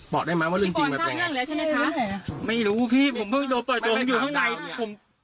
บอกได้ไหมว่าเรื่องจริงมันเป็นยังไงไม่รู้พี่ผมเพิ่งโดนปล่อยตัวผมอยู่ข้างในผม